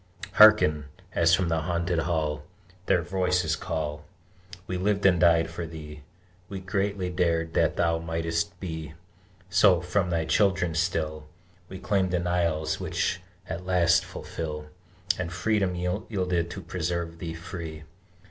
Hearken, as from that haunted Hall Their voices call: "We lived and died for thee; We greatly dared that thou might'st be: So, from thy children still We claim denials which at last fulfil, And freedom yielded to preserve thee free!"